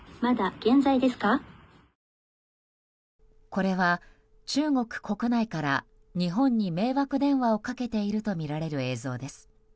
これは、中国国内から日本に迷惑電話をかけているとみられる映像です。